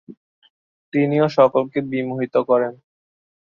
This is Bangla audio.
তিনি ও সকলকে বিমোহিত করেন।